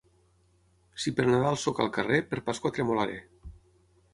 Si per Nadal soc al carrer, per Pasqua tremolaré.